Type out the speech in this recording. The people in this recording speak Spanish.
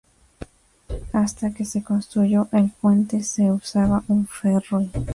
Hasta que se construyó el puente, se usaba un "ferry".